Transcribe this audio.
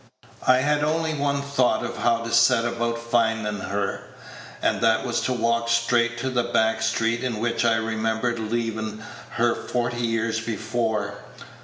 I had only one thought of how to set about findin' her, and that was to walk Page 101 straight to the back street in which I remembered leavin' her forty years before.